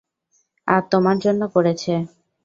আর তোমার জন্য করেছে।